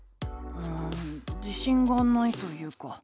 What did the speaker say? うん自しんがないというか。